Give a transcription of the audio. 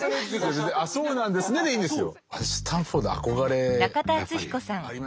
「あっそうなんですね」でいいんですよ。